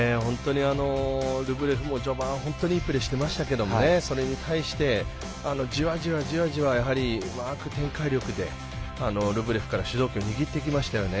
ルブレフも序盤本当にいいプレーをしてましたがそれに対して、じわじわじわじわうまく展開力でルブレフから主導権を握っていきましたよね。